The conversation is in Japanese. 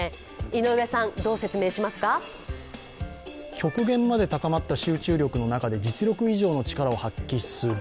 極限まで高まった集中力の中で実力以上の力を発揮する。